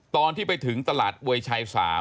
ตอนที่ไปถึงตลาดอวยชัย๓